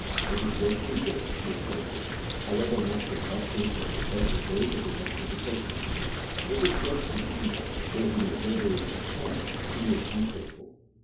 If his works be good, he is faithful, however much his doc trines may differ from those of the rest of the faithful : if his works be evil, though he may verbally conform, he is unfaithful.